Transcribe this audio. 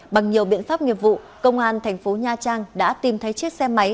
bằng nhiều biện pháp nghiệp vụ công an thành phố nha trang đã tìm thấy chiếc xe máy